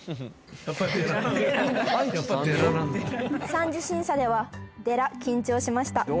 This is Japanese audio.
「３次審査ではでら緊張しました」